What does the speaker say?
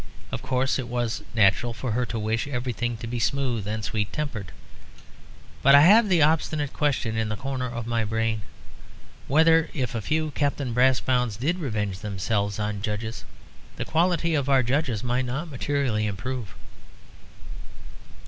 Of course it was natural for her to wish everything to be smooth and sweet tempered. But I have the obstinate question in the corner of my brain, whether if a few Captain Brassbounds did revenge themselves on judges, the quality of our judges might not materially improve.